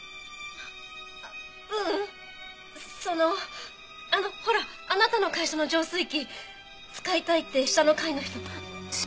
ううんそのあのほらあなたの会社の浄水器使いたいって下の階の人。